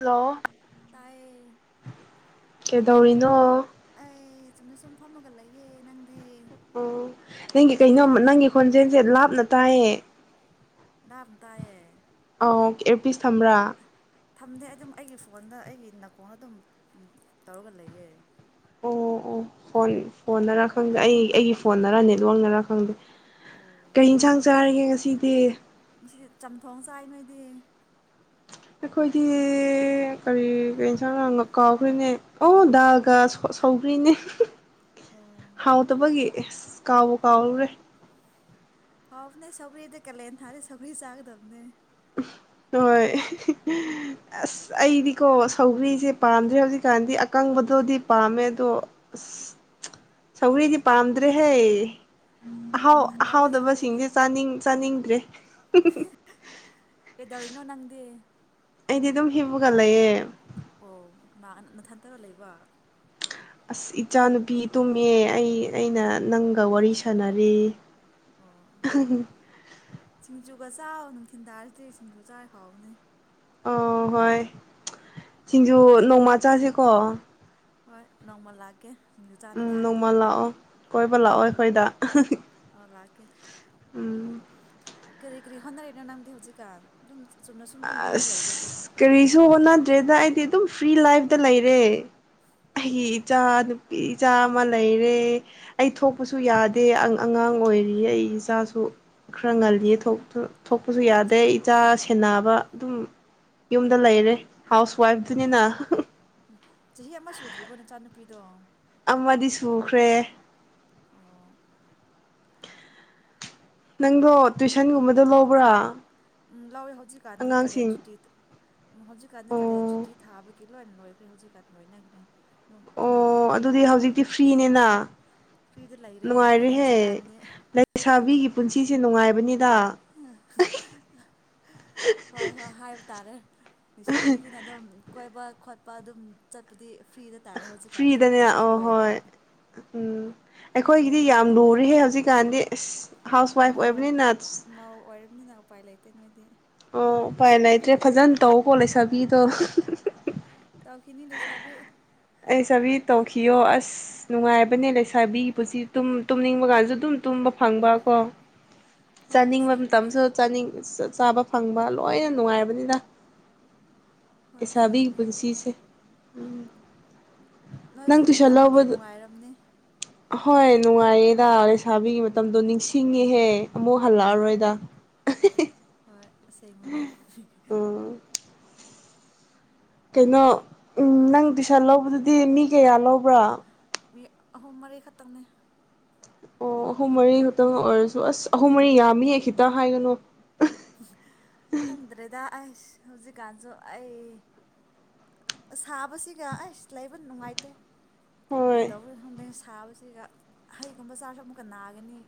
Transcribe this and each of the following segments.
Hello ꯇꯥꯏꯌꯦ ꯀꯩꯗꯧꯔꯤꯅꯣ ꯑꯩ ꯆꯨꯝꯅ ꯁꯨꯝ ꯐꯝꯃꯒ ꯂꯩꯒꯦ ꯑꯣ ꯅꯪꯒꯤ ꯀꯩꯅꯣ ꯅꯪꯒꯤ ꯈꯣꯟꯖꯦꯜꯁꯦ ꯂꯥꯞꯅ ꯇꯥꯏꯌꯦ ꯂꯔꯝ ꯇꯌꯦ ꯑꯥꯎ ꯑꯦꯔꯄꯤ ꯁꯝꯕ꯭ꯔꯥ ꯑꯩ ꯅꯥꯀꯣꯡꯅ ꯑꯗꯨꯝ ꯇꯧꯔꯒ ꯂꯩꯌꯦ ꯑꯣ ꯑꯣ ꯐꯣꯟ ꯐꯣꯟꯗꯔꯥ ꯈꯪꯗꯦ ꯑꯩ ꯑꯩꯒꯤ ꯐꯣꯟ ꯅꯔ ꯅꯦꯠ ꯂꯣꯟꯅꯔꯥ ꯈꯪꯗꯦ ꯑꯣ ꯀꯩ ꯏꯟꯁꯥꯡ ꯆꯥꯔꯤꯒꯦ ꯉꯁꯤꯗꯤ ꯉꯁꯤꯗꯤ ꯆꯝꯊꯣꯡ ꯆꯥꯏ ꯅꯣꯏꯗꯤ ꯑꯩꯈꯣꯏꯗꯤ ꯀꯔꯤ ꯀ ꯏꯟꯁꯥꯡ ꯥꯡꯒ ꯀꯥꯎꯈ꯭ꯔꯤꯅꯦ ꯑꯣ ꯗꯥꯒ ꯁꯧꯈ꯭ꯔꯤꯅꯦ ꯑꯣ ꯍꯥꯎ ꯇꯕꯒꯤ ꯑꯦꯁ ꯀꯥꯎꯕꯣ ꯀꯥꯎꯔꯨꯔꯦ ꯍꯥꯎꯕꯅꯦ ꯁꯧꯒ꯭ꯔꯤꯗ ꯀꯥꯂꯦꯟ ꯊꯥꯗꯗꯤ ꯁꯧꯒ꯭ꯔꯤ ꯆꯥꯒꯗꯕꯅꯦ ꯍꯣꯏ ꯑꯁ ꯑꯩꯗꯤꯀꯣ ꯁꯧꯒ꯭ꯔꯤꯁꯦ ꯄꯥꯝꯗ꯭ꯔꯦ ꯍꯧꯖꯤꯛꯀꯥꯟꯗꯤ ꯑꯀꯪꯕꯗꯣꯗꯤ ꯄꯥꯝꯃꯦ ꯑꯗꯣ ꯑꯁ ꯁꯧꯔꯤꯗꯤ ꯄꯥꯝꯗ꯭ꯔꯦ ꯍꯦ ꯑꯍꯥꯎ ꯍꯥꯎꯋꯤꯗ ꯑꯍꯥꯎꯗꯕ ꯁꯤꯡꯁꯦ ꯆꯥꯅꯤꯡ ꯆꯥꯅꯤꯡ ꯇ꯭ꯔꯦ ꯑꯦꯗꯧꯔꯤꯅꯣ ꯅꯪꯗꯦ ꯑꯩꯗꯤ ꯑꯗꯨꯝ ꯍꯦꯞꯄꯒꯜ ꯂꯩꯌꯦꯦ ꯑꯣ ꯅꯅꯥꯊꯗꯔ ꯂꯩꯕ ꯑꯁ ꯏꯆꯥꯅꯨꯄꯤ ꯇꯨꯝꯑ ꯑꯩ ꯑꯩꯅ ꯅꯪꯒ ꯋꯥꯔꯤ ꯁꯥꯟꯅꯔꯤ ꯑꯣ ꯆꯆꯒꯁꯤ ꯆꯥꯛ ꯅꯨꯡꯊꯤꯟ ꯇꯥꯔꯁꯤ ꯆꯦꯛ ꯁꯤꯡꯖꯨ ꯆꯥꯏ ꯍꯥꯎꯕꯅꯦ ꯑꯣ ꯍꯣꯏ ꯁꯤꯡꯖꯨ ꯅꯣꯡꯃ ꯆꯥꯁꯦꯀꯣ ꯍꯣꯏ ꯅꯣꯡꯃꯜ ꯂꯒꯦ ꯎꯝ ꯅꯣꯡꯃ ꯂꯥꯛꯑꯣ ꯀꯣꯏꯕ ꯂꯥꯛꯑꯣ ꯑꯩꯈꯣꯏꯗ ꯑ ꯂꯥꯛꯀꯦ ꯎꯝ ꯀꯔꯤ ꯀꯔꯤ ꯍꯣꯠꯅꯔꯤꯅꯣ ꯅꯪꯗꯤꯦ ꯍꯧꯖꯤꯛꯀꯥꯟ ꯑꯗꯨꯝ ꯆꯨꯝꯅ ꯁꯨꯝ ꯑꯗꯨꯝ ꯌꯨꯝꯗ ꯂꯩꯕ꯭ꯔꯣ ꯑꯗꯨꯝ ꯑꯁ ꯀꯔꯤꯁꯨꯨꯕ ꯅꯗ꯭ꯔꯦꯗ ꯑꯩꯗꯤ ꯑꯗꯨꯝ ꯐ꯭ꯔꯤ ꯂꯥꯏꯐꯇ ꯂꯩꯔꯦ ꯑꯩꯒꯤ ꯏꯆꯥ ꯅꯨꯄꯤ ꯏꯆꯥ ꯑꯃ ꯂꯩꯔꯦ ꯑꯩ ꯊꯣꯛꯄꯁꯨ ꯌꯥꯗꯦ ꯑꯉꯥꯡ ꯑꯣꯏꯔꯤ ꯑꯩ ꯏꯆꯥꯁꯨ ꯈꯔ꯭꯫ ꯑꯣ ꯉꯜꯂꯤꯌꯦ ꯊꯣꯛꯇ ꯊꯣꯛ ꯄꯥꯖꯨ ꯌꯥꯗꯦ ꯆ- ꯏꯆꯥꯁꯤ ꯍꯦꯟꯅꯕ ꯑꯗꯨꯝ ꯌꯨꯝꯗ ꯂꯩꯔꯦ ꯍꯥꯎꯁ ꯋꯥꯏꯐꯇꯨꯅꯤꯅ ꯆꯍꯤ ꯑꯃ ꯁꯨꯗ꯭ꯔꯤꯕꯣ ꯅꯆꯥꯅꯨꯄꯤꯗꯣ ꯑꯃꯗꯤ ꯁꯨꯈ꯭ꯔꯦ ꯑꯣ ꯅꯪꯗꯣ ꯇꯨꯏꯁꯟꯒꯨꯝꯕꯗꯣ ꯂꯧꯕ꯭ꯔꯥ ꯎꯝ ꯂꯥꯎꯋꯦ ꯍꯧꯖꯤꯛꯀꯥꯟꯗꯤ ꯀꯥꯂꯦꯟ ꯑꯉꯥꯡꯁꯤꯡ ꯁꯨꯇꯤꯠ ꯍꯧꯖꯤꯛꯀꯥꯟꯗꯤ ꯀꯥꯂꯦꯟ ꯑꯣ ꯁꯨꯇꯤ ꯊꯥꯕꯒꯤ ꯂꯣꯏꯅ ꯂꯣꯏꯒꯔ꯭ꯦ ꯍꯧꯖꯤꯛꯀꯥꯟ ꯂꯣꯏꯅꯒꯔ꯭ꯦ ꯑꯗꯨꯝ ꯃꯣꯏꯒꯤ ꯑꯣ ꯑꯗꯨꯗꯤ ꯍꯧꯖꯤꯛꯇꯤ ꯐ꯭ꯔꯤꯅꯦꯅ ꯐ꯭ꯔꯤꯗ [inaudible] ꯂꯩꯔꯦ ꯅꯨꯡꯉꯥꯏꯔꯦ ꯅꯨꯡꯉꯥꯏꯔꯦꯍꯦ ꯍꯧꯖꯤꯛꯀꯥꯟꯗꯤ ꯂꯩꯁꯥꯕꯤꯒꯤ ꯄꯨꯟꯁꯤ ꯁꯤ ꯅꯨꯡꯉꯥꯏꯕꯅꯤ ꯍꯣꯏ ꯍꯣꯏ ꯍꯥꯏꯕ ꯇꯥꯔꯦ ꯅꯤꯁꯥꯕꯤꯒꯤꯅ ꯑꯗꯨꯝ ꯀꯣꯏꯕ ꯈꯣꯠꯄ ꯑꯗꯨꯝ ꯆꯠꯄꯗꯤ ꯐ꯭ꯔꯤꯗ ꯇꯥꯔꯦ ꯍꯧꯖꯤꯛꯀꯥꯟꯗꯤ ꯐ꯭ꯔꯤꯗꯅꯦ ꯑꯦꯛꯖꯥꯝꯁꯨ ꯑꯣ ꯂꯣꯏꯔꯦ ꯍꯣꯏ ꯎꯝ ꯅꯣꯏꯗꯤ ꯑꯩꯈꯣꯏꯒꯤꯗꯤ ꯌꯥꯝ ꯂꯨꯔꯤꯍꯦ ꯍꯧꯖꯤꯛ ꯀꯥꯟꯗꯤ ꯑꯁ ꯍꯥꯎꯁ ꯋꯥꯏꯐ ꯃꯧ ꯑꯣꯏꯕꯅꯤꯅ ꯃꯧ ꯑꯣꯏꯔꯝꯅꯤꯅ ꯎꯄꯥꯏ ꯂꯩꯠ ꯇꯦ ꯅꯣꯏꯗꯤ ꯑꯣ ꯎꯄꯥꯏ ꯂꯩꯇ꯭ꯔꯦ ꯐꯖꯟ ꯇꯧꯀꯣ ꯂꯩꯁꯥꯕꯤꯗꯣ ꯇꯥꯎꯈꯤꯅꯤ ꯂꯩꯁꯥꯕꯤ ꯂꯩꯁꯥꯕꯤ ꯇꯧꯈꯤꯌꯣ ꯑꯁ ꯅꯨꯡꯉꯥꯏꯕꯅꯦ ꯂꯩꯁꯥꯕꯤꯒꯤ ꯄꯨꯁꯤ ꯇꯨꯝ ꯇꯨꯝꯅꯤꯡꯕ ꯒꯥꯖꯨ ꯑꯗꯨꯝ ꯇꯨꯝꯕ ꯐꯪꯕ ꯀꯣ ꯍꯣꯏ ꯆꯥꯅꯤꯡꯕ ꯑꯁꯦꯡꯕꯅꯦ ꯃꯇꯝꯁꯨ ꯆꯥꯅꯤꯡ ꯆꯥꯕ ꯐꯪꯕ ꯂꯣꯏꯅ ꯅꯨꯡꯉꯥꯏꯔꯕꯅꯤꯗ ꯍꯣꯏ ꯑꯦꯁꯥꯕꯤꯒꯤ ꯑꯁꯦꯡꯕꯅꯦ ꯄꯨꯟꯁꯤꯁꯦ ꯎꯝ ꯅꯣꯏ ꯁꯨꯝ ꯇꯝꯃꯗꯤ ꯅꯨꯡꯉꯥꯏꯔꯝꯅꯤ ꯍꯣꯏ ꯅꯨꯡꯉꯥꯏꯌꯦꯗ ꯂꯩꯁꯥꯕꯤꯒꯤ ꯃꯇꯝꯗꯣ ꯅꯤꯡꯁꯤꯡꯉꯤꯍꯦ ꯑꯃꯨꯛ ꯍꯜꯂꯛꯑꯔꯣꯏꯗ ꯍꯣꯏ ꯑꯁꯦꯡꯕꯅꯦ ꯎꯝ ꯀꯩꯅꯣ ꯎꯝ ꯅꯪ ꯇꯨꯏꯁꯟ ꯂꯧꯕꯗꯨꯗꯤ ꯃꯤ ꯀꯌꯥ ꯂꯧꯕ꯭ꯔꯥ ꯃꯤ ꯑꯍꯨꯝ ꯃꯔꯤ ꯈꯇꯪꯅꯦ ꯑꯣ ꯑꯍꯨꯝ ꯃꯔꯤ ꯈꯛꯇꯪ ꯑꯣꯏꯔꯁꯨ ꯑꯁ ꯑꯍꯨꯝ ꯃꯔꯤ ꯌꯥꯝꯃꯤꯍꯦꯛ ꯈꯤꯇ ꯍꯥꯏꯒꯅꯨ ꯈꯪꯗ꯭ꯔꯦꯗ ꯑꯁ ꯍꯧꯖꯤꯛꯀꯥꯟꯖꯨ ꯑꯩ ꯁꯥꯕꯁꯤꯒ ꯑꯩꯁ ꯂꯩꯕ ꯅꯨꯡꯉꯥꯏꯇꯦ ꯍꯣꯏ ꯒꯤꯗꯧꯔꯦ ꯈꯪꯗꯦ ꯁꯥ ꯁꯥꯕꯁꯤꯒ ꯍꯩꯒꯨꯝꯕ ꯆꯥꯔꯁꯨ ꯑꯃꯨꯛꯀ ꯅꯥꯒꯅꯤ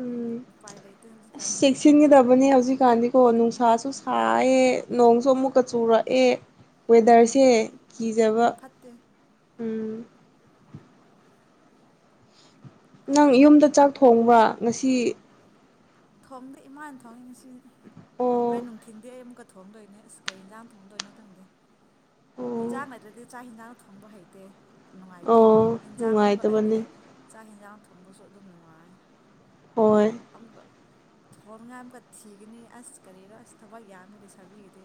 ꯎꯝ ꯎꯄꯥꯏ ꯂꯩꯇꯦ ꯑꯁ ꯍꯧꯖꯤꯛꯀꯥꯟꯗꯤ ꯑꯗꯨꯝ ꯆꯦꯛꯁꯤꯟꯒꯗꯕꯅꯦ ꯍꯧꯖꯤꯛꯀꯥꯟꯗꯤ ꯀꯣ ꯅꯨꯡꯁꯥꯁꯨ ꯁꯥꯏꯌꯦ ꯅꯣꯡꯁꯨ ꯑꯃꯨꯛꯀ ꯆꯨꯔꯛꯑꯦ ꯎꯝ ꯋꯦꯗꯔꯁꯦ ꯀꯤꯖꯕ ꯌꯥꯝ ꯐꯠꯇꯦ ꯎꯝ ꯅꯪ ꯌꯨꯝꯗ ꯆꯥꯛ ꯊꯣꯡꯕ꯭ꯔ ꯉꯁꯤ ꯊꯣꯡꯗꯤ ꯏꯃꯥꯅ ꯊꯣꯡꯉꯤ ꯉꯁꯤꯗꯤ ꯑꯣ ꯍꫭꯔꯦꯟ ꯅꯨꯡꯊꯤꯟꯗꯤ ꯑꯩ ꯑꯃꯨꯛ ꯊꯣꯡꯗꯣꯏꯅꯦ ꯑꯁ ꯀꯩ ꯌꯦꯟꯖꯥꯡ ꯊꯣꯡꯗꯣꯏꯅꯣ ꯈꯪꯗꯦ ꯑꯣ ꯏꯟꯖꯡ ꯂꯩꯇ꯭ꯔꯗꯤ ꯆꯛ ꯏꯟꯖꯡ ꯊꯣꯡꯕ ꯍꯩꯇꯦ ꯅꯨꯡꯉꯥꯏꯇꯦ ꯑꯣ ꯍꯤꯟꯖꯥꯡ ꯑꯃꯛꯀ ꯂꯩꯗꯤ ꯅꯨꯡꯉꯥꯏꯇꯕꯅꯦ ꯆꯥꯛ ꯌꯦꯟꯖꯥꯡ ꯊꯣꯡꯕꯁꯨ ꯑꯗꯨꯝ ꯅꯨꯡꯉꯥꯏ ꯍꯣꯏ ꯊꯣꯟꯉꯥꯏ ꯑꯃꯀ ꯊꯤꯒꯅꯤ ꯑꯁ ꯀꯔꯤꯔꯣ ꯑꯁ ꯊꯕꯛ ꯌꯥꯝꯃꯤ ꯂꯩ ꯁꯥꯕꯤꯒꯗꯦ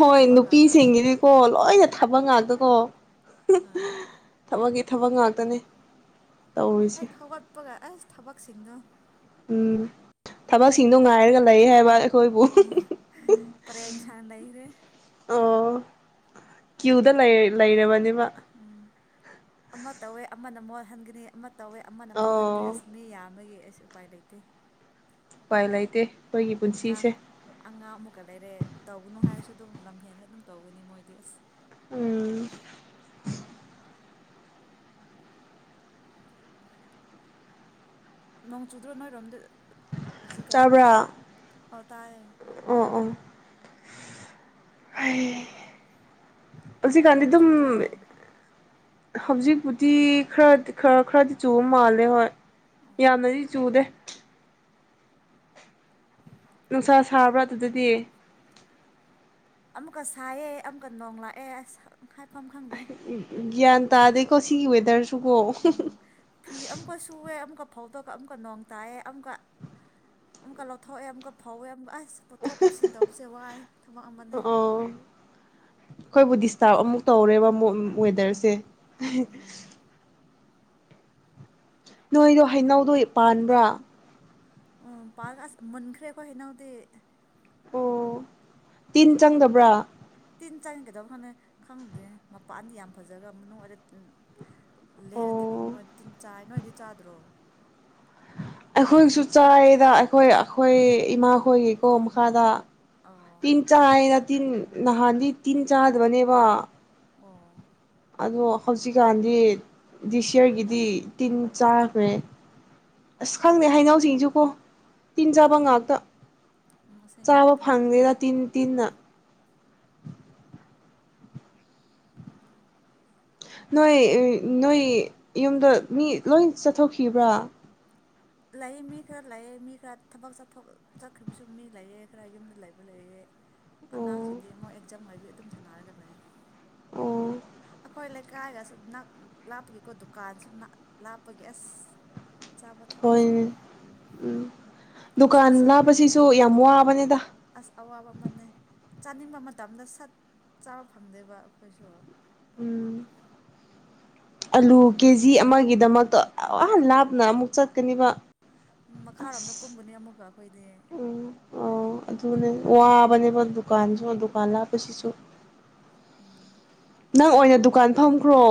ꯍꯣꯏ ꯅꯨꯄꯤꯁꯤꯡꯒꯤꯗꯤꯀꯣ ꯂꯣꯏꯅ ꯊꯥꯕꯛ ꯉꯥꯛꯇꯀꯣ ꯊꯕꯛꯀꯤ ꯊꯕꯛ ꯉꯥꯛꯇꯅꯤ ꯍꯦꯛ ꯍꯧꯒꯠꯄꯒ ꯑꯁ ꯊꯕꯛꯁꯤꯡꯗꯣ ꯎꯝ ꯊꯕꯛꯁꯤꯡꯗꯣ ꯉꯥꯏꯔꯒ ꯂꯩ ꯍꯥꯏꯕ ꯀꯣꯏꯕꯨ ꯄꯔꯦꯡ ꯁꯥꯅ ꯂꯩꯈ꯭ꯔꯦ ꯑ ꯀꯤꯌꯨꯗ ꯂꯩ ꯂꯩꯔꯕ ꯎꯝ ꯑꯃ ꯇꯋꯦ ꯑꯃꯅ ꯃꯣꯠꯍꯟꯒꯅꯤ ꯑꯃ ꯇꯧꯋꯦ ꯑꯃꯅ ꯃꫭꯠꯍꯟꯒ꯭ꯔꯦ ꯑꯣ ꯑꯁ ꯃꯤ ꯌꯥꯝꯕꯒ ꯑꯁ ꯎꯄꯥꯏ ꯂꯩꯇꯦ ꯑꯄꯥꯏ ꯂꯩꯇꯦ ꯑꯩꯈꯣꯏꯒꯤ ꯑꯉꯥꯡ ꯄꯨꯟꯁꯤꯁꯦ ꯑꯉꯥꯡ ꯑꯃꯨꯛꯀ ꯂꯩꯔꯦ ꯇꯧꯒꯅꯨ ꯍꯥꯏꯔꯁꯨ ꯑꯗꯨꯝ ꯂꯝ ꯍꯦꯟꯒ ꯑꯗꯨꯝ ꯇꯧꯒꯅꯤ ꯃꯣꯏꯗꯤ ꯑꯁ ꯎꯝ ꯅꯣꯡ ꯆꯨꯗ꯭ꯔꯣ ꯅꯣꯏꯔꯣꯝꯗ ꯌꯧꯖꯤꯛ ꯀꯟ ꯇꯥꯕ꯭ꯔꯥ ꯑꯥꯎ ꯇꯥꯏꯌꯦ ꯑꯩ ꯍꯧꯖꯤꯛ ꯀꯥꯟꯗꯤ ꯅꯣꯡ ꯑꯗꯨꯝ ꯆꯨꯗ꯭ꯔꯣ ꯍꯧꯖꯤꯛꯄꯨꯗꯤ ꯈꯔꯗꯤ ꯈꯔ ꯈꯔꯗꯤ ꯆꯨꯕ ꯃꯥꯜꯂꯦ ꯍꯣꯏ ꯑꯣ ꯌꯥꯝꯅꯗꯤ ꯆꯨꯗꯦ ꯅꯨꯡꯁꯥ ꯁꯥꯕ꯭ꯔꯥ ꯑꯗꯨꯗꯗꯤ ꯑꯃꯨꯛꯀ ꯁꯥꯏꯌꯦꯦ ꯑꯃꯨꯛꯀ ꯅꯣꯡꯂꯛꯑꯦ ꯑꯁ ꯃꯐꯝꯐꯝ ꯈꯪꯗꯦ ꯒ꯭ꯌꯥꯟ ꯇꯥꯗꯦꯀꯣ ꯁꯤꯒꯤ ꯑꯣꯏ ꯏ ꯗꯔꯁꯨꯨꯒ ꯐꯧꯗꯣꯛꯒ ꯑꯃꯨꯛꯀ ꯅꯣꯡ ꯇꯥꯏꯌꯦ ꯑꯃꯨꯛꯀ ꯑꯃꯨꯛꯀ ꯂꯧꯊꯣꯛꯑꯦ ꯑꯃꯨꯛꯀ ꯐꯧꯋꯦ ꯑꯃꯨꯛꯀ ꯑꯁ ꯑꯁ ꯄꯨꯠꯊꯣꯛ ꯄꯨꯁꯤꯟ ꯇꯧꯕꯁꯦ ꯋꯥꯏ ꯊꯕꯛ ꯑꯣ ꯑꯃꯅꯦ ꯑꯩꯈꯣꯏꯕꯨ ꯗꯤꯁꯇꯥꯔꯕ ꯑꯃꯨꯛ ꯇꯧꯔꯦꯕ ꯑꯃꯨꯛ ꯎ ꯋꯦꯗꯔꯁꯦ ꯎꯝ ꯎꯝ ꯅꯣꯏꯗꯣ ꯍꯩꯅꯧꯗꯣ ꯄꯥꯟꯕ꯭ꯔꯥ ꯑꯣ ꯄꯥꯔ ꯑꯁ ꯃꯈ꯭ꯔꯦ ꯑꯩꯀ ꯍꯥꯏꯩꯅꯎꯗꯤ ꯑꯣ ꯇꯤꯟ ꯆꯪꯗꯕ꯭ꯔꯥ ꯇꯤꯟ ꯆꯪꯉꯒꯗꯕ ꯍꯥꯟꯅ ꯈꯪꯉꯨꯗꯦ ꯃꯄꯥꯟꯗꯤ ꯌꯥꯝ ꯐꯖꯕ ꯃꯅꯨꯡꯗ ꯂꯦꯅꯗꯤ ꯑꯗꯨꯝ ꯂꯣꯏ ꯇꯤꯟ ꯆꯥꯏ ꯅꯣꯏꯗꯤ ꯆꯥꯗ꯭ꯔꯣ ꯑꯩꯈꯣꯏꯒꯤꯁꯨ ꯆꯥꯏꯗ ꯑꯩꯈꯣꯏ ꯑꯩꯈꯣꯏ ꯏꯃꯥ ꯍꯣꯏꯒꯤꯀꯣ ꯃꯈꯥꯗ ꯑꯧ ꯇꯤꯟ ꯆ ꯍꯥꯏꯅ ꯇꯤꯟ ꯅꯍꯥꯟꯗꯤ ꯇꯤꯟ ꯆꯥꯗꯕꯅꯦꯕ ꯑꯣ ꯑꯗꯣ ꯍꯧꯖꯤꯛꯀꯥꯟꯗꯤ ꯗꯤꯁꯤꯌꯔꯒꯤꯗꯤ ꯇꯤꯟ ꯆꯥꯈ꯭ꯔꯦ ꯑꯁ ꯈꯪꯗꯦ ꯍꯩꯅꯧꯁꯤꯡꯁꯨꯀꯣ ꯇꯤꯟ ꯆꯥꯕ ꯉꯥꯛꯇ ꯎꯝ ꯑꯁꯦꯡꯕ ꯆꯥꯕ ꯇꯤꯟ ꯐꯥꯡꯒꯅꯦꯅ ꯉꯥꯛꯇ ꯇꯤꯟ ꯇꯤꯟꯅ ꯅꯣꯏ ꯅꯣꯏ ꯌꯨꯝꯗ ꯃꯤ ꯂꯣꯏ ꯆꯠꯊꯣꯛꯈꯤꯕ꯭ꯔꯥ ꯂꯥꯛꯑ ꯃꯤ ꯈꯔ ꯂꯥꯛꯑꯦ ꯃꯤ ꯈꯔ ꯊꯕꯛ ꯆꯠꯊꯣꯛ ꯆꯠꯈ꯭ꯔꯤꯕꯁꯨ ꯃꯤ ꯂꯩꯑꯦ ꯈꯔ ꯌꯨꯝꯗ ꯂꯩꯕ ꯂꯩꯑꯦ ꯑꯣ ꯑꯉꯥꯡꯁꯤꯡꯗꯤ ꯃꯣꯏ ꯑꯦꯛꯖꯥꯝ ꯑꯣꯏꯕꯤ ꯇꯨꯝꯊꯅꯥꯔꯒ ꯂꯩꯌꯦ ꯑꯣ ꯑꯩꯈꯣꯏ ꯂꯩꯀꯥꯏꯒꯁꯨ ꯂꯥꯞꯄꯒꯤꯀꯣ ꯗꯨꯀꯥꯟ ꯁꯨ ꯂꯥꯞꯄꯒꯤ ꯑꯁ ꯑꯆꯥ ꯍꯣꯏꯅꯦ ꯎꯝ ꯗꯨꯀꯥꯟ ꯁꯠ ꯁꯠ ꯂꯥꯞꯄꯁꯤꯁꯨ ꯌꯥꯝ ꯋꯥꯕ ꯕꯥꯅꯤꯗ ꯑꯁ ꯑꯋꯥꯕ ꯑꯃꯅꯦ ꯆꯥꯅꯤꯡꯕ ꯃꯇꯝꯗ ꯁꯠ ꯆꯥꯕ ꯐꯪꯗꯦꯕ ꯑꯩꯈꯣꯏꯁꯨ ꯎꯝ ꯑꯂꯨ ꯀꯦ ꯖꯤ ꯑꯃꯒꯤꯗꯃꯛꯇꯣ ꯋꯥꯍꯟ ꯂꯥꯞꯅ ꯑꯃꯨꯛ ꯆꯠꯀꯅꯤꯕ ꯃꯈꯥꯔꯣꯝꯗ ꯑꯁ ꯀꯨꯝꯒꯅꯤ ꯑꯃꯨꯛꯀ [unintelligible] ꯎꯝ ꯑ ꯑꯗꯨꯅꯦ ꯋꯥꯕꯅꯦꯕ ꯗꯨꯀꯥꯟꯁꯨ ꯗꯨꯀꯥꯟ ꯂꯥꯛꯞꯄꯁꯤꯁꯨ ꯎꯝ ꯅꯪ ꯑꯣꯏꯅ ꯗꯨꯀꯥꯟ ꯐꯝꯈ꯭ꯔꯣ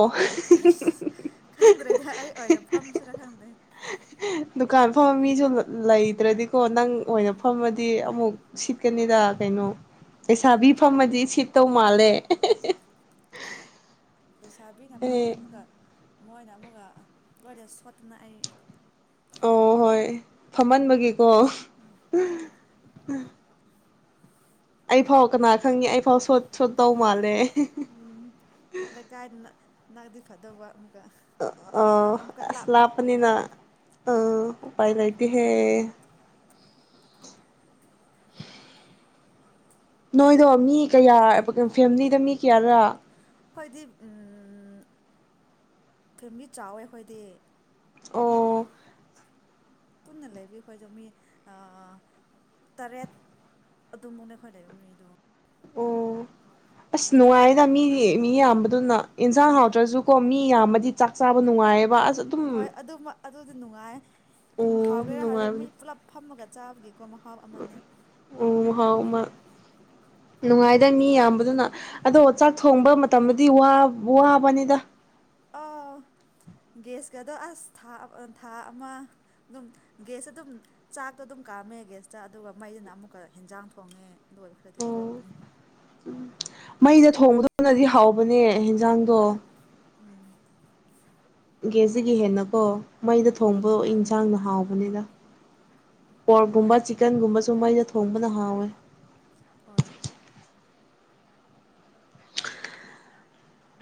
ꯑꯁ ꯈꯪꯗ꯭ꯔꯦꯗꯤ ꯑꯩ ꯑꯣꯏꯗ ꯐꯝꯁꯤꯔꯥ ꯈꯪꯗꯦ ꯗꯨꯀꯥꯟ ꯐꯝꯕ ꯃꯤꯁꯨ ꯂꯩꯇ꯭ꯔꯗꯤꯀꯣ ꯅꯪ ꯑꯣꯏꯅ ꯐꯝꯃꯗꯤ ꯑꯃꯨꯛ ꯁꯤꯠꯀꯅꯤꯗ ꯀꯩꯅꯣ ꯂꯩꯁꯥꯕꯤ ꯐꯝꯖꯤ ꯇꯧ ꯃꯥꯂꯦ ꯂꯩꯁꯥꯕꯤꯅ ꯐꯝꯒ ꯑꯃꯒ ꯃꯣꯏꯅ ꯑꯃꯨꯛꯀ ꯂꯣꯏꯗ ꯁꯣꯠꯇꯅ ꯑꯩ ꯑꯣ ꯍꯣꯏ ꯐꯝꯍꯟꯕꯒꯤ ꯑꯣ ꯑꯩ ꯐꯥꯎ ꯀꯅꯥ ꯈꯪꯉꯦ ꯑꯩ ꯐꯥꯎ ꯁꯣꯠ ꯁꯣꯠꯇꯧ ꯃꯥꯜꯂꯦ ꯎꯝ ꯂꯩ ꯀꯅ [unintelligible] ꯑ ꯑꯁꯂꯄꯅꯤꯅ ꯂꯩꯅꯔꯦ ꯑ ꯄꯥꯏ ꯂꯩꯥꯏꯇ ꯍꯦ ꯅꯣꯏꯗꯣ ꯃꯤ ꯀꯌꯥ ꯐꯦꯃꯤꯂꯤꯗ ꯃꯤ ꯀꯌꯥꯔꯥ ꯑꯩꯈꯣꯏꯗꯤ ꯐꯦꯂꯤ ꯆꯥꯎꯋꯦ ꯑꯩꯈꯣꯏꯗꯤ ꯑꯣ ꯄꯨꯟꯅ ꯂꯩꯕꯤ ꯑꯩꯈꯣꯏꯗꯣ ꯃꯤ ꯇꯔꯦꯠ ꯑꯗꯨꯃꯨꯛꯅꯦ ꯑꯩꯈꯣꯏ ꯂꯩꯕ ꯃꯤꯗꯣ ꯑꯣ ꯑꯁ ꯅꯨꯡꯉꯥꯏꯗ ꯃꯤ ꯃꯤ ꯌꯥꯝꯕꯗꯨꯅ ꯏꯟꯖꯥꯡ ꯍꯥꯎꯗ꯭ꯔꯁꯨꯀꯣ ꯃꯤ ꯌꯥꯝꯕꯗꯤ ꯆꯥꯛ ꯆꯥꯕ ꯅꯨꯡꯉꯥꯏꯌꯦꯕ ꯋꯥ ꯑꯁ ꯑꯗꯨꯨꯝ ꯍꯣꯏ ꯑꯗꯨ ꯑꯗꯨꯗꯤ ꯅꯨꯡꯉꯥꯏ ꯑꯗꯨꯝ ꯍꯥꯎꯒꯦꯔꯥ ꯍꯥꯎ ꯃꯣꯏꯁꯦ ꯄꯨꯂꯞ ꯐꯝꯃꯒ ꯆꯥꯕꯒꯤ ꯎ ꯍꯥꯎ ꯑꯃ ꯅꯨꯡꯉꯥꯏꯗ ꯃꯤ ꯌꯥꯝꯕꯗꯨꯅ ꯑꯗꯣ ꯆꯥꯛ ꯊꯣꯡꯕ ꯃꯇꯝꯗꯗꯤ ꯋꯥꯕꯅꯤꯗ ꯑꯣ ꯒ꯭ꯁꯀꯗꯣ ꯑꯁ ꯊꯥ ꯊꯥ ꯑꯃ ꯑꯗꯨꯝ ꯒ꯭ꯌꯥꯁꯇ ꯑꯗꯨꯝ ꯆꯥꯛꯇꯣ ꯑꯗꯨꯝ ꯀꯥꯝꯃꯦ ꯒ꯭ꯌꯥꯁꯇ ꯑꯗꯨꯒ ꯃꯩꯁꯤꯅ ꯑꯃꯨꯛꯀ ꯍꯦꯟꯖꯥꯡ ꯊꯣꯡꯉꯦ ꯗꯣꯏ ꯈꯔꯗꯤ ꯑꯣ ꯀꯃꯃꯦ ꯃꯩꯗ ꯊꯣꯡꯕꯗꯧꯅꯗꯤ ꯍꯥꯎꯕꯅꯦ ꯖꯥꯡꯗꯣ ꯎꯝ ꯒꯦꯁ ꯇꯥꯒꯤ ꯍꯦꯟꯅꯀꯣ ꯃꯩꯗ ꯎꯝ ꯊꯣꯡꯕ ꯏꯟꯁꯥꯡꯅ ꯍꯥꯎꯕ ꯅꯤꯅ ꯄꯣꯔꯞꯀꯨꯝꯕ ꯆꯤꯛꯀꯟꯒꯨꯝꯕꯁꯨ ꯃꯩꯩꯅ ꯊꯣꯡꯕꯅ ꯍꯥꯎꯋꯦ ꯍꯣꯏ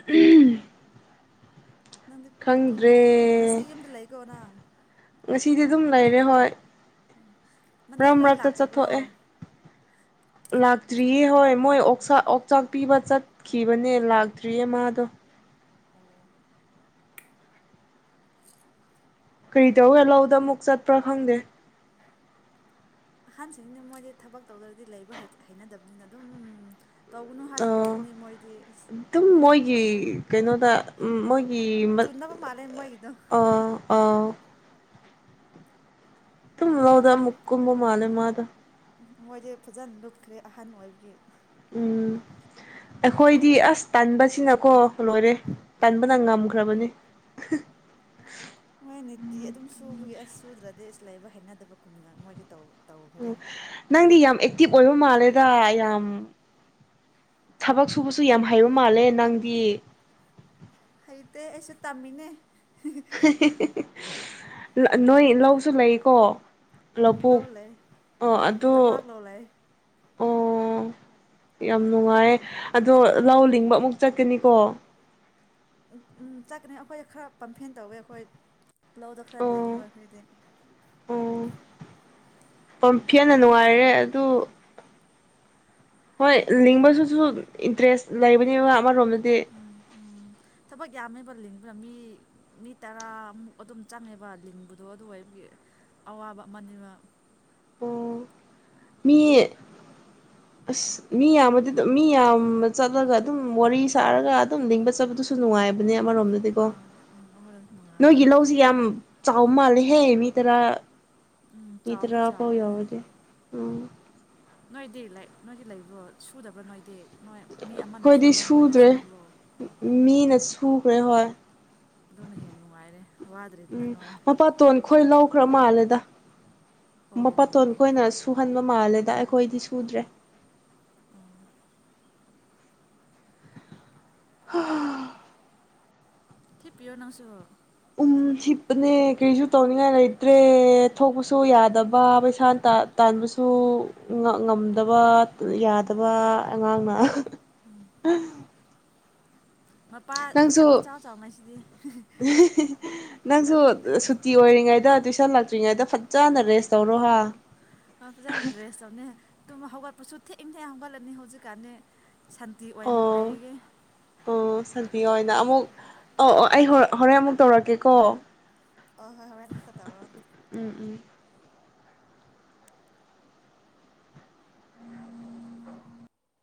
ꯎꯝ ꯅꯪꯗꯤ ꯑꯗꯨꯝ ꯉꯁꯤ ꯌꯨꯝꯗ ꯂꯩꯗꯣꯏ ꯔꯥ ꯉꯁꯤꯗꯤ ꯑꯗꯨꯝ ꯂꯩꯔꯦ ꯍꯣꯏ ꯃꯅꯦ ꯃꯔꯛ ꯈꯣꯏꯗꯤ ꯃꯔꯛꯇ ꯂꯥꯛꯇꯕ꯭ꯔꯣ ꯆꯠꯊꯣꯛꯑꯦ ꯂꯥꯛꯇ꯭ꯔꯤꯌꯦ ꯍꯣꯏ ꯃꯣꯏ ꯑꯣꯥꯛ ꯑꯣꯛꯆꯥꯛ ꯄꯤꯕ ꯆꯠꯈꯤꯕꯅꯦ ꯂꯥꯛꯇ꯭ꯔꯤꯌꯦ ꯃꯥꯗꯣ ꯑꯩꯅ [unintelligible] ꯀꯔꯤꯗꯧꯒ ꯂꯥꯎꯗ ꯃꯨꯛ ꯆꯠꯄ꯭ꯔꯥ ꯈꯪꯗꯦ ꯑꯍꯟꯁꯤꯡꯗꯤ ꯃꯣꯏꯗꯤ ꯊꯕꯛ ꯇꯧꯗ꯭ꯔꯗꯤ ꯂꯩꯕ ꯍꯩꯅꯗꯕꯅꯤꯅ ꯑꯗꯨꯝ ꯇꯧꯒꯅꯨ ꯍꯥꯏꯁꯨ ꯇꯧꯒꯅꯤ ꯃꯣꯏꯗꯤ ꯑꯦꯁ ꯃꯣꯏ ꯒꯤ ꯀꯩꯅꯣꯗ ꯃꯣꯏ ꯒꯤ ꯆꯨꯅꯕ ꯃꯥꯜꯂꯦ ꯃꯣꯏꯒꯤꯗꯣ ꯑ ꯗꯨꯝ [unintelligible] ꯀꯨꯝꯕ ꯃꯥꯂꯦ ꯃꯥꯗꯣ ꯃꯣꯏꯁꯦ ꯐꯖꯅ ꯂꯨꯞꯈ꯭ꯔꯦ ꯑꯍꯟ ꯑꯣꯏꯕꯒꯤ ꯎꯝ ꯑꯩꯈꯣꯏꯗꯤ ꯑꯁ ꯇꯟꯕꯁꯤꯅꯀꯣ ꯂꯣꯏꯔꯦ ꯇꯟꯥꯟꯕꯅ ꯉꯝꯈ꯭ꯔꯕꯅꯤ ꯃꯣꯏ ꯅꯤꯇꯤ ꯑꯗꯨꯝ ꯁꯨꯕꯒꯤ ꯑꯁ ꯁꯨꯗ꯭ꯔꯗꯤ ꯂꯩꯕ ꯍꯩꯅꯗꯕꯒꯨꯝꯅ ꯃꯣꯏꯗ ꯇꯧ ꯎ ꯇꯧꯈ꯭ꯔꯦ ꯅꯪꯗꯤ ꯌꯥꯝ ꯑꯦꯛꯇꯤꯞ ꯑꯣꯏꯕ ꯃꯥꯜꯂꯦꯗ ꯌꯥꯝ ꯊꯕꯛ ꯁꯨꯕꯁꯨ ꯌꯥꯝ ꯍꯩꯕ ꯃꯥꯜꯂꯦ ꯅꯪꯗꯤ ꯍꯩꯇꯦ ꯑꯩꯁꯨ ꯇꯝꯃꯤꯅꯦ [unintelligible] ꯅꯣꯏ ꯂꯧꯁꯨ ꯂꯩꯀꯣ ꯎꯝ ꯂꯧꯕꯨꯛ ꯂꯧꯂꯩ ꯑꯣ ꯂꯣꯛ ꯑꯗꯣ ꯄꯥꯛ ꯂꯧꯂꯩ ꯑꯣ ꯌꯥꯝ ꯅꯨꯡꯉꯥꯏ ꯑꯗꯣ ꯂꯧ ꯂꯤꯡꯕ ꯑꯃꯨꯛ ꯆꯠꯀꯅꯤꯀꯣ ꯆꯠꯀꯅꯤ ꯑꯩꯈꯣꯏ ꯈꯔ [unintelligible] ꯇꯧꯋꯦ ꯑꯩꯈꯣꯏ ꯂꯧꯗ ꯈꯔꯗ ꯂꯩꯅꯤꯡ ꯑꯣ ꯋꯥ ꯐꯗꯤ ꯑꯣ [unintelligible] ꯅꯨꯡꯉꯥꯏꯔꯦ ꯑꯗꯨ ꯍꯣꯏ ꯂꯤꯡꯕꯁꯨꯁꯨ ꯏꯟꯇꯔꯦꯁ ꯂꯩꯕꯅꯤꯕ ꯑꯃꯔꯣꯝꯗ ꯎꯝ ꯎꯝ ꯊꯕꯒ ꯌꯥꯃꯦꯕ ꯑꯗꯨꯅ ꯃꯤ ꯃꯤ ꯇꯔꯥꯃꯨꯛ ꯑꯗꯨꯝ ꯆꯪꯉꯦꯕ ꯂꯤꯡꯕꯗꯣ ꯑꯗꯨꯒ ꯑꯩꯕꯒꯤ ꯑꯋꯥꯕ ꯑꯃꯅꯦꯕ ꯑꯣ ꯃꯤ ꯑꯁ ꯃꯤ ꯌꯥꯝꯃꯗꯤ ꯑꯗꯨꯝ ꯃꯤ ꯌꯥꯝꯕ ꯆꯠꯂꯒ ꯑꯗꯨꯝ ꯋꯥꯔꯤ ꯁꯥꯔꯒ ꯑꯗꯨꯝ ꯂꯤꯡꯕ ꯆꯠꯄꯗꯨꯁꯨ ꯅꯨꯡꯉꯥꯏꯕꯅꯦ ꯑꯃꯔꯣꯝꯗꯗꯤꯀꯣ ꯑꯥ ꯎꯝ ꯑꯃꯔꯣꯝꯗ ꯅꯨꯡꯉꯥꯏ ꯅꯣꯏꯒꯤ ꯂꯧꯁꯤ ꯌꯥꯝ ꯆ ꯃꯥꯜ ꯍꯦ ꯃꯤ ꯇꯔꯥ ꯎꯝ ꯆꯥꯎꯗꯤ ꯏꯇꯔꯥ ꯀ ꯑꯣꯏ ꯆꯥꯎꯋꯦ ꯌꯥꯎꯗꯦ ꯎꯝ ꯅꯣꯏꯗꯤ ꯅꯣꯏꯗꯤ ꯂꯩꯕ꯭ꯔꯣ ꯁꯨꯗꯕ꯭ꯔꯥ ꯅꯣꯏꯗꯤ ꯅꯣꯏ ꯃꯤ ꯑꯃꯅ ꯑꯩꯈꯣꯏꯗꯤ ꯁꯨꯕ꯭ꯔꯥ ꯅꯣꯏꯅ ꯁꯨꯔꯣ ꯁꯨꯈ ꯔꯦꯍꯣꯏ ꯑꯗꯨꯅ ꯍꯦꯟꯅ ꯅꯨꯡꯉꯥꯏꯔꯦ ꯋꯥꯗ꯭ꯔꯤꯗꯅ ꯅꯣꯏ ꯈ꯭ꯔꯃꯥꯜꯂꯗ ꯑꯣ ꯃꯄꯥꯇꯣꯟ ꯀꯅ ꯁ ꯍꯟꯕ ꯃꯥꯜꯂꯦꯗ ꯑꯩꯈꯣꯏꯗꯤ ꯁꯨꯗ꯭ꯔꯦ ꯍ ꯊꯤ ꯄꯤꯌꯑꯣ ꯅꯁꯨ ꯎꯝ ꯁꯤꯞꯄꯅꯦ ꯀꯔꯤꯁꯨ ꯇꯧꯅꯤꯡꯉꯥꯏ ꯂꯩꯇ꯭ꯔꯦ ꯊꯣꯛꯄꯁꯨ ꯌꯥꯗꯕ ꯄꯩꯁꯥ ꯇꯥꯟꯕꯁꯨ ꯉꯝꯗꯕ ꯌꯥꯗꯕ ꯑꯉꯥꯡꯅ ꯎ ꯃꯄꯥ ꯅꯪꯁꯨ ꯏꯆꯥꯎ ꯆꯥꯎꯅꯩꯁꯤꯗꯤ ꯅꯪꯁꯨ ꯁꯨꯇꯤ ꯑꯣꯏꯔꯤꯉꯩꯗ ꯑꯗ ꯇꯨꯏꯁꯟ ꯂꯥꯛꯛꯇ꯭ꯔꯤꯉꯩꯗ ꯐꯖꯅ ꯔꯦꯁ ꯇꯧꯔꯣ ꯍꯥ ꯑ ꯐꯖꯅ ꯂꯩꯦꯁ ꯇꯧꯅꯦ ꯇꯨꯝ ꯍꯧꯒꯠꯄꯁꯨ ꯊꯦꯛ ꯏꯅ ꯊꯦꯛ ꯍꯝꯒꯠꯂꯅꯤ ꯍꯧꯖꯤꯛꯅꯦ ꯁꯥꯟꯇꯤ ꯑꯣꯏꯅ ꯂꯩꯒꯦ ꯆꯟꯕꯤꯌꯣ ꯑꯣꯏꯅ ꯑꯃꯨꯛ ꯑꯧ ꯑꯣ ꯑꯩ ꯍꯣꯔꯦꯟ ꯑꯃꯨꯛ ꯇꯧꯔꯛꯀꯦꯀꯣ ꯑ ꯍꯣꯏ ꯍꯣꯏ ꯑꯗꯨꯝꯀ ꯇꯧꯔꯣ ꯎꯝ ꯎꯝ